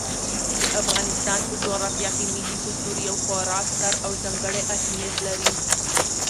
د افغانستان په جغرافیه کې ملي کلتور یو خورا ستر او ځانګړی اهمیت لري.